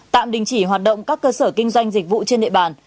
tạm đình chỉ hoạt động các cơ sở kinh doanh dịch vụ trên địa bàn